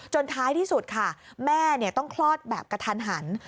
ท้ายที่สุดค่ะแม่ต้องคลอดแบบกระทันหัน